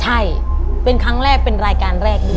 ใช่เป็นครั้งแรกเป็นรายการแรกด้วย